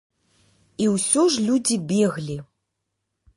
І ўсё ж людзі беглі.